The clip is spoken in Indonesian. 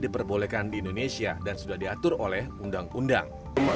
diperbolehkan di indonesia dan sudah diatur oleh undang undang